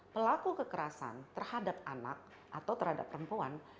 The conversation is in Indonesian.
pelaku kekerasan terhadap anak atau terhadap perempuan